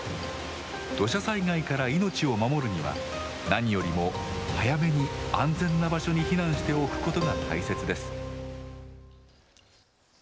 土砂災害から命を守るには何よりも早めに安全な場所に避難しておくことが大切です。